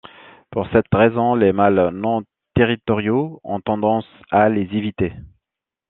Pour cette raison, les mâles non-territoriaux ont tendance à les éviter.